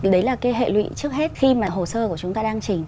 đấy là hệ lụy trước hết khi mà hồ sơ của chúng ta đang chỉnh